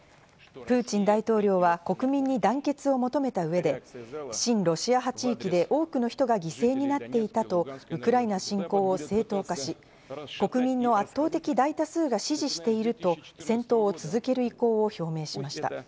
プーチン大統領は国民に団結を求めた上で親ロシア派地域で多くの人が犠牲になっていたとウクライナ侵攻を正当化し、国民の圧倒的大多数が支持していると戦闘を続ける意向を表明しました。